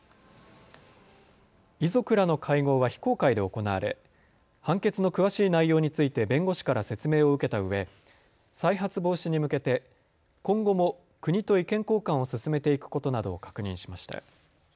遺族らの会合は非公開で行われ判決の詳しい内容について弁護士から説明を受けたうえ再発防止に向けて今後も国と意見交換を進めていくことなどを確認しました。